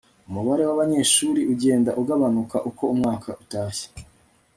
umubare wabanyeshuri ugenda ugabanuka uko umwaka utashye